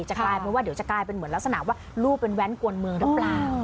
จะกลายเป็นเหมือนลักษณะว่าลูกเป็นแว่นกวนมือแล้วปล่าว